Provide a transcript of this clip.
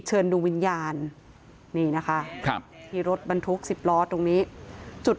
เชิญดูวิญญาณนี่นะคะครับที่รถบรรทุก๑๐ล้อตรงนี้จุด